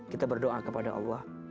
kita berdoa kepada allah